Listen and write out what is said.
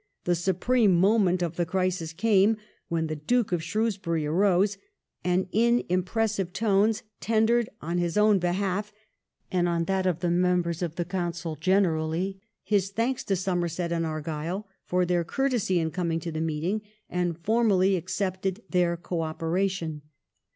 The supreme moment of the crisis came when the Duke of Shrewsbury arose, and in impressive tones tendered on his own behalf, and on that of the members of the Council generally, his thanks to Somerset and Argyle for their courtesy in coming to the meeting, and formally accepted their co operation.